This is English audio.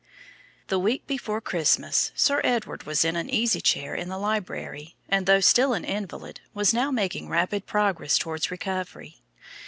The week before Christmas Sir Edward was in an easy chair in the library, and, though still an invalid, was now making rapid progress towards recovery.